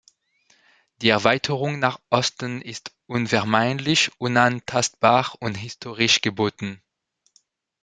Die Erweiterung nach Osten ist unvermeidlich, unantastbar und historisch geboten.